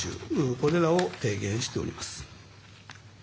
これらを提言しております。